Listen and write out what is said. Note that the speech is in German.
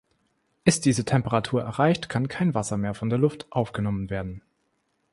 Ist diese Temperatur erreicht, kann kein Wasser mehr von der Luft aufgenommen werden.